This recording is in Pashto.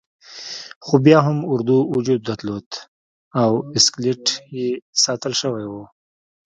خو بیا هم اردو وجود درلود او اسکلیت یې ساتل شوی وو.